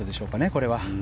これは。